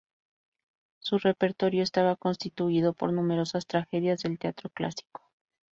Su repertorio estaba constituido por numerosas tragedias del teatro clásico.